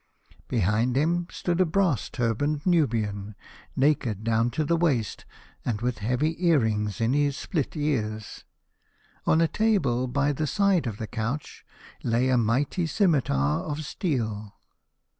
Behind him stood a brass turbaned Nubian, naked down to the waist, and with heavy earrings in his split ears. On a table by the side of the couch lay a mighty scimitar of steel.